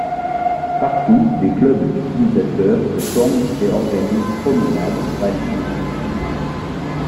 Partout, des clubs d'utilisateurs se forment et organisent promenades, rallye et concours.